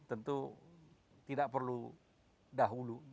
tentu tidak perlu dahulu